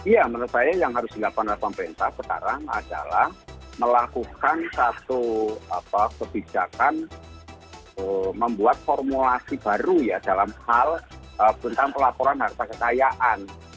ya menurut saya yang harus dilakukan oleh pemerintah sekarang adalah melakukan satu kebijakan membuat formulasi baru ya dalam hal tentang pelaporan harta kekayaan